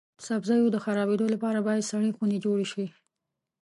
سبزیو د خرابیدو لپاره باید سړې خونې جوړې شي.